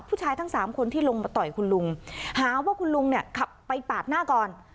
ผู้ชายทั้งสามคนที่ลงมาต่อยคุณลุงหาว่าคุณลุงเนี่ยขับไปปาดหน้าก่อน